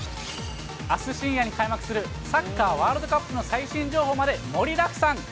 あす深夜に開幕するサッカーワールドカップの最新情報まで、盛りだくさん。